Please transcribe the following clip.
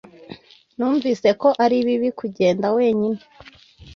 Numvise ko ari bibi kugenda wenyine